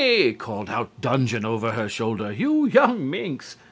"] "'Oh, Linny,' called out Dungeon over her shoulder, 'you young minx!